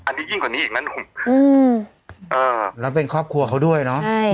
อันนี้ยิ่งกว่านี้อีกนะหนุ่มแล้วเป็นครอบครัวเขาด้วยเนาะ